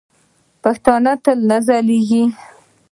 آیا پښتو به تل نه ځلیږي؟